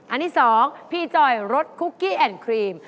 อันที่๒พีจอยรถคุกกี้แอนด์ครีม